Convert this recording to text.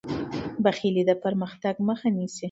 بخیلي د پرمختګ مخه نیسي.